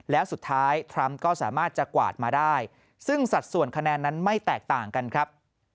แล้วสุดท้ายทรัมป์ก็สามารถจะกวาดมาได้ซึ่งสัดส่วนคะแนนนั้นไม่แตกต่างกันครับ